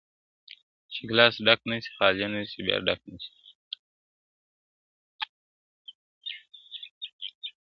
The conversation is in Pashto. چي گیلاس ډک نه سي، خالي نه سي، بیا ډک نه سي~